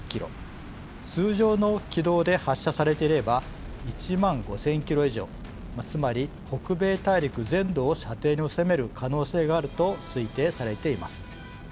通常の軌道で発射されていれば１万５０００キロ以上つまり、北米大陸全土を射程に収める可能性があると推定されています。